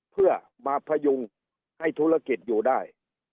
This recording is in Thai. เพื่อมาพยุงให้ธุรกิจอยู่ได้